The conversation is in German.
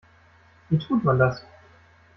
Wie tut man das?